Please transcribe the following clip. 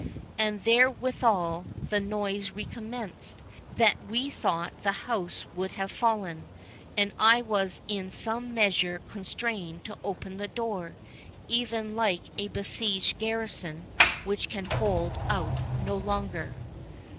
And therewithal the noise recommenced, that we thought the house would have fallen; and I was in some measure constrained to open the door, even like a besieged garrison which can hold out no longer."